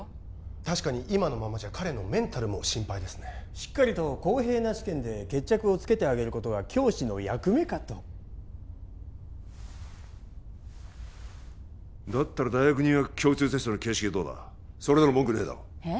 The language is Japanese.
確かに今のままじゃ彼のメンタルも心配ですねしっかりと公平な試験で決着をつけてあげることが教師の役目かとだったら大学入学共通テストの形式でどうだそれなら文句ねえだろえっ？